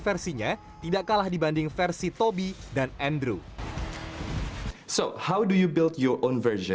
karena kita sudah melihat versi dari spider man dan dari spider man bagaimana anda membuatnya